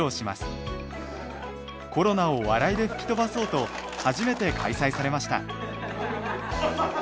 コロナを笑いで吹き飛ばそうと初めて開催されました。